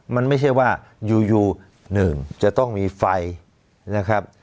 มันไม่ใช่ว่าอยู่หนึ่งจะต้องมีไฟนะครับ